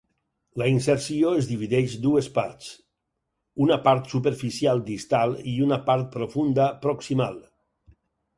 La inserció es divideix dues parts: una part superficial distal i una part profunda proximal.